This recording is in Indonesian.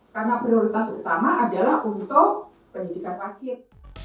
karena prioritas utama adalah untuk pendidikan wajib